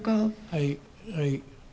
はいはい。